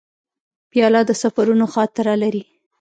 پیاله د سفرونو خاطره لري.